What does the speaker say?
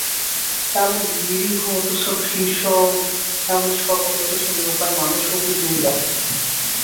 এমন নিরীহ অথচ ভীষণ, এমন সবল অথচ নিরুপায় মানুষ অতি দুর্লভ।